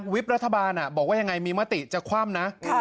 วิบรัฐบาลอ่ะบอกว่ายังไงมีมติจะความน่ะค่ะ